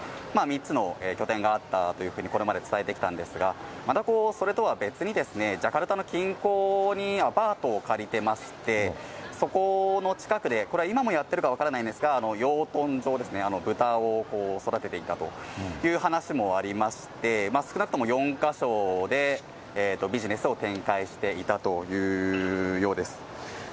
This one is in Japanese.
３つの拠点があったというふうにこれまで伝えてきたんですが、またそれとは別に、ジャカルタの近郊にアパートを借りてまして、そこの近くで、これは今もやってるか分からないんですけれども、養豚場ですね、豚を育てていたという話もありまして、少なくとも４か所でビジネスを展開していたというようです。